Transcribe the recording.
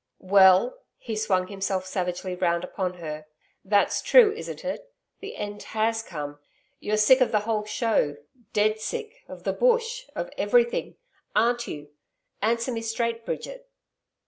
'Well?' He swung himself savagely round upon her. 'That's true, isn't it? The end HAS come.... You're sick of the whole show dead sick of the Bush of everything? Aren't you? Answer me straight, Bridget.'